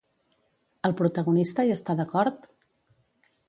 El protagonista hi està d'acord?